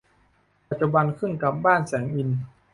ปัจจุบันขึ้นกับบ้านแสงอินทร์